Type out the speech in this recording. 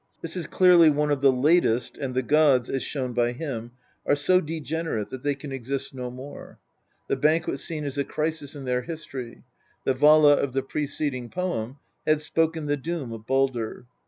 This is clearly one of the latest, and the gods, as shown by him, are so degenerate that they can exist no more. The. banquet scene is a crisis in their history. The Vala of the preceding poem had spoken the doom of Baldr.